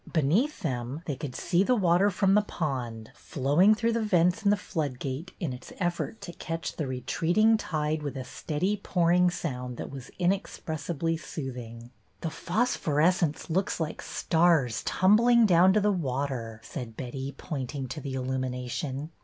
Beneath them they could see the water from the pond, flowing through the vents in the flood gate in its effort to catch the retreating tide with a steady pouring sound that was inexpressibly soothing. PHOSPHORESCENCE 237 The phosphorescence looks like stars tumbling down to the water/^ said Betty, pointing to the illumination.